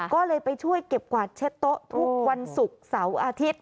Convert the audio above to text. ก็เลยไปช่วยเก็บกวาดเช็ดโต๊ะทุกวันศุกร์เสาร์อาทิตย์